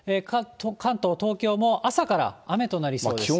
関東、東京も朝から雨となりそうです。